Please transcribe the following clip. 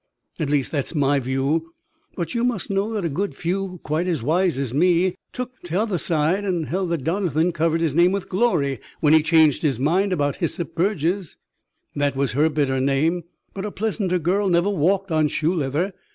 At least that's my view; but you must know that a good few, quite as wise as me, took t'other side, and held that Jonathan covered his name with glory when he changed his mind about Hyssop Burges. That was her bitter name, but a pleasanter girl never walked on shoe leather.